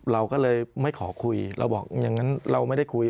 เราก็เลยไม่ขอคุยเราบอกอย่างนั้นเราไม่ได้คุย